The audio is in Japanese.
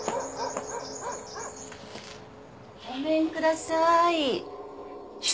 ごめんください。